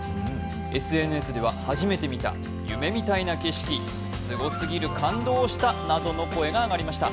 ＳＮＳでは、初めて見た、夢みたいな景色、すごすぎる、感動したなどの声が上がりました。